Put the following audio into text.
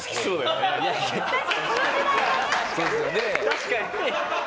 確かに。